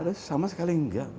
tidak mbak sama sekali tidak